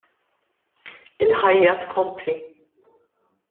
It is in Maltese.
Il-ħajja tkompli.